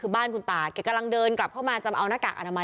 คือบ้านคุณตาแกกำลังเดินกลับเข้ามาจะมาเอาหน้ากากอนามัย